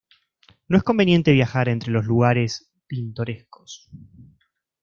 No es conveniente viajar entre los lugares pintorescos.